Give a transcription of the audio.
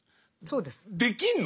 そうです。